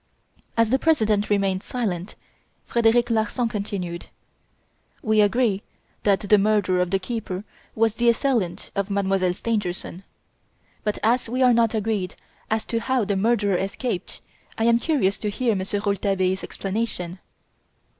As the President remained silent, Frederic Larsan continued: "We agree that the murderer of the keeper was the assailant of Mademoiselle Stangerson; but as we are not agreed as to how the murderer escaped, I am curious to hear Monsieur Rouletabille's explanation."